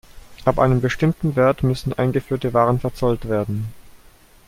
Ab einem bestimmten Wert müssen eingeführte Waren verzollt werden.